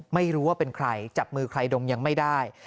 ไม่รู้ว่าเป็นใครจับมือใครดมยังไม่ได้